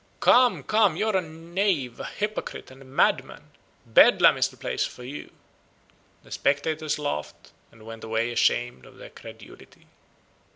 Come, come, you are a knave, a hypocrite, and a madman. Bedlam is the place for you." The spectators laughed, and went away ashamed of their credulity.